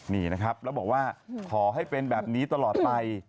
นี่นะครับแล้วบอกว่าขอให้เป็นแบบนี้ตลอดไป